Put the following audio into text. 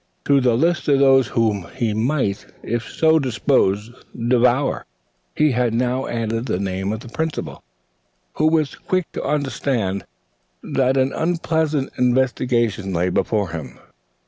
To the list of those whom he might, if so disposed, devour, he had now added the name of the Principal, who was quick to understand that an unpleasant investigation lay before him.